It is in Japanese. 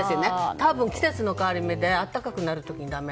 多分、季節の変わり目で暖かくなる時にだめ。